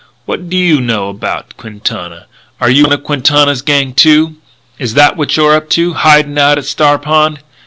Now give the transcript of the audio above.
What do you know about Quintana? Are you one of Quintana's gang, too? Is that what you're up to, hidin' out at Star Pond.